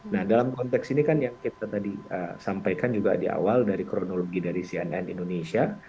nah dalam konteks ini kan yang kita tadi sampaikan juga di awal dari kronologi dari cnn indonesia